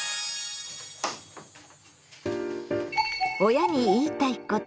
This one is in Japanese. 「親に言いたいこと」。